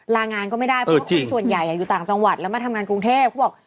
ลางานก็ไม่ได้เพราะคนส่วนใหญ่อยู่ต่างจังหวัดแล้วมาทำงานกรุงเทพเขาบอก